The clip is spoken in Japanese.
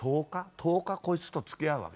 １０日こいつとつきあうわけ？